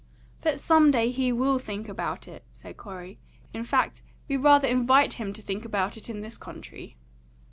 "But some day he WILL think about it," said Corey. "In fact, we rather invite him to think about it, in this country."